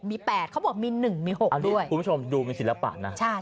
มีแปดเขาบอกมีหนึ่งมีหกด้วยคุณผู้ชมดูมีศิลปะนะใช่ใช่